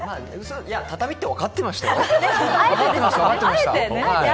畳って分かってましたよ。